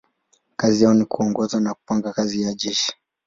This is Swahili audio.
Kazi yao ni kuongoza na kupanga kazi ya jeshi.